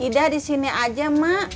ida di sini aja mak